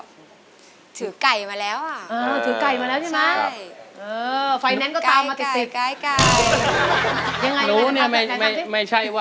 มี๖แผ่นป้ายนะฮะเลือกใน๓แผ่นป้ายจะใช่หรือไม่ใช่ครับ